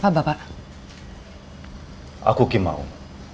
biasanya kamu paham